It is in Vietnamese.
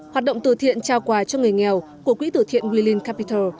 hoạt động từ thiện trao quà cho người nghèo của quỹ tử thiện willing capital